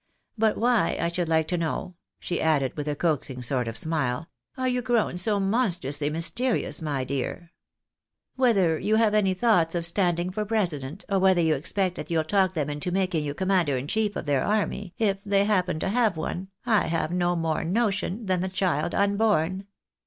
But why, I should like to know," she added, with a coaxing sort of smile, " are you grown so monstrously mysterious, my dear ? Whether you have any thoughts of standing for president, or whether you expect that you'll talk them into making you commander in chief of their army, if they happen to have one, I have no more notion than the child unborn.